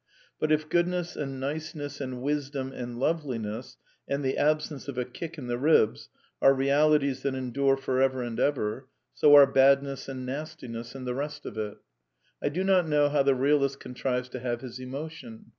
But, if goodness, and niceness, and wisdom, and loveliness, and the absence of a kick in the ribs, are realities that endure for ever and ever, so are badness and nastiness and the rest of it. I do not know how the realist contrives to have his emotion.